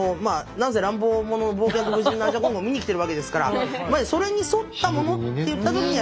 なんせ乱暴者傍若無人なアジャコングを見に来てるわけですからそれに沿ったものっていった時にはやっぱり「おれ」なのかなっていう。